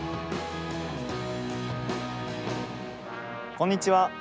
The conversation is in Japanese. こんにちは。